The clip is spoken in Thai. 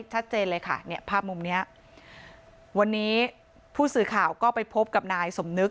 ชัดเจนเลยค่ะเนี่ยภาพมุมเนี้ยวันนี้ผู้สื่อข่าวก็ไปพบกับนายสมนึก